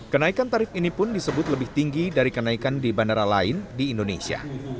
kenaikan tarif ini pun disebut lebih tinggi dari kenaikan di bandara lain di indonesia